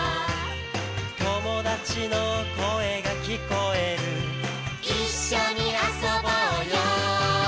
「友達の声が聞こえる」「一緒に遊ぼうよ」